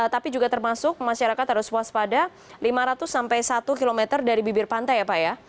tapi juga termasuk masyarakat harus waspada lima ratus sampai satu km dari bibir pantai ya pak ya